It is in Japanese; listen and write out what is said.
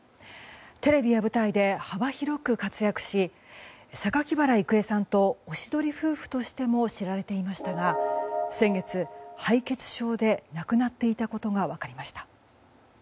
テレビや舞台で幅広く活躍し榊原郁恵さんとおしどり夫婦としても知られていましたが先月、敗血症で亡くなっていたことが分かりました。